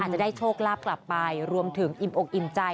จะได้โชคลาภกลับไปรวมถึงอิ่มอกอิ่มใจ